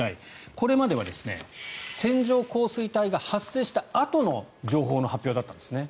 これまでは線状降水帯が発生したあとの情報の発表だったんですね。